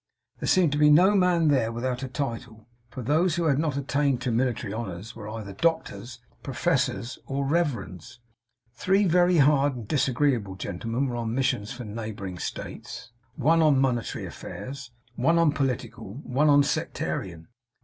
There seemed to be no man there without a title; for those who had not attained to military honours were either doctors, professors, or reverends. Three very hard and disagreeable gentlemen were on missions from neighbouring States; one on monetary affairs, one on political, one on sectarian.